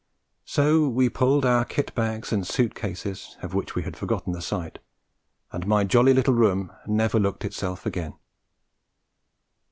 So we pulled out kit bags and suit cases of which we had forgotten the sight and my jolly little room never looked itself again.